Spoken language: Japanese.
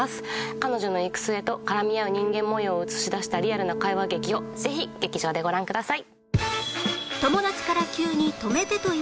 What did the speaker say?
彼女の行く末と絡み合う人間模様を映し出したリアルな会話劇をぜひ劇場でご覧ください。